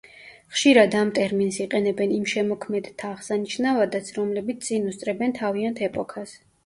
ხშირად ამ ტერმინს იყენებენ იმ შემოქმედთა აღსანიშნავადაც, რომლებიც წინ უსწრებენ თავიანთ ეპოქას.